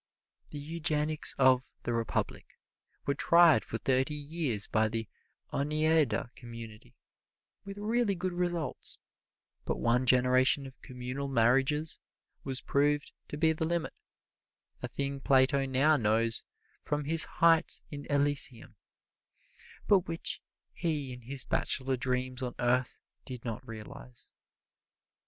The eugenics of "The Republic" were tried for thirty years by the Oneida Community with really good results, but one generation of communal marriages was proved to be the limit, a thing Plato now knows from his heights in Elysium, but which he in his bachelor dreams on earth did not realize.